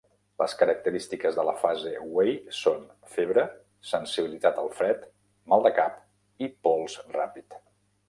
Les característiques de la fase "wei" són febre, sensibilitat al fred, mal de cap i pols ràpid.